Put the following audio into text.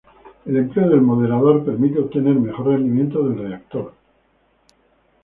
El empleo del moderador permite obtener mejor rendimiento del reactor.